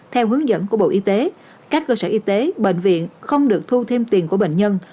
theo hướng dẫn của bộ y tế các cơ sở y tế bệnh viện không được thu thêm tiền của bệnh nhân